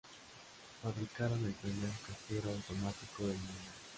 Fabricaron el primer cajero automático del mundo.